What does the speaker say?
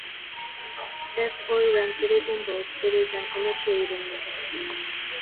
If or when it is involved, it is an initiating mechanism.